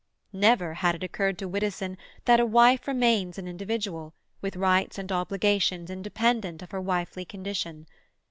Never had it occurred to Widdowson that a wife remains an individual, with rights and obligations independent of her wifely condition.